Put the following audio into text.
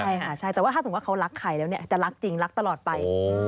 ใช่ค่ะใช่แต่ว่าถ้าสมมุติว่าเขารักใครแล้วเนี่ยจะรักจริงรักตลอดไป